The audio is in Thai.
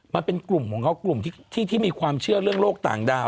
มันเป็นกลุ่มของเขากลุ่มที่มีความเชื่อเรื่องโลกต่างดาว